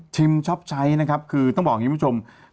ชิมช็อปชัยนะครับคือต้องบอกอย่างนี้เพื่อนผู้ชม